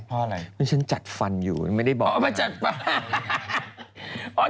เพราะฉันจัดฟันอยู่ไม่ได้บอก